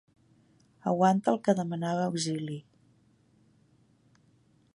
Aguanta el que demanava auxili.